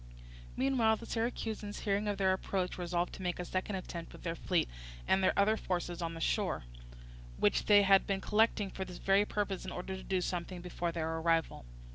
Meanwhile the Syracusans hearing of their approach resolved to make a second attempt with their fleet and their other forces on shore, which they had been collecting for this very purpose in order to do something before their arrival.